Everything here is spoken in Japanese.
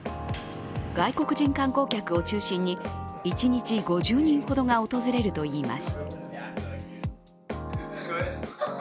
外国人観光客を中心に一日５０人ほどが訪れるといいます。